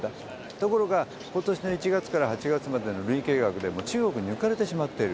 ところが、ことしの１月から８月までの累計額で、もう中国に抜かれてしまっている。